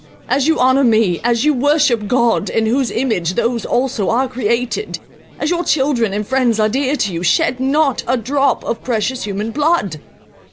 As you honour me—as you worship God, in whose image those also are created—as your children and friends are dear to you,—shed not a drop of precious human blood."